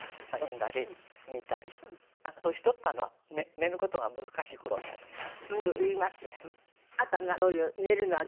なんか年取ったのは寝る事が難しい事になってきて。